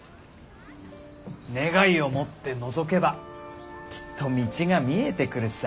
願いを持ってのぞけばきっと道が見えてくるさ。